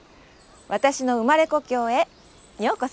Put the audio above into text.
私の生まれ故郷へようこそ。